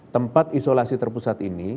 tempat isolasi terpusat ini